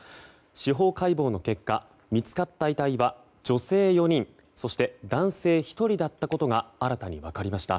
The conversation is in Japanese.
司法解剖の結果見つかった遺体は女性４人そして男性１人だったことが新たに分かりました。